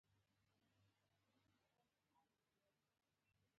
کله ناکله د جګړې مخه هم نیسي.